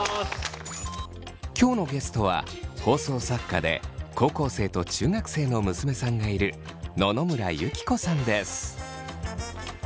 今日のゲストは放送作家で高校生と中学生の娘さんがいる野々村友紀子さんです。